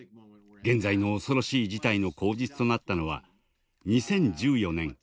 現在の恐ろしい事態の口実となったのは２０１４年